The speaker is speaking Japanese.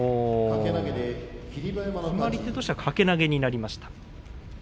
決まり手は掛け投げになりました。